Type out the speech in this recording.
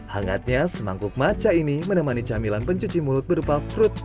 hangatnya semangkuk maca ini menemani camilan pencuci mulut berupa fruit taifuku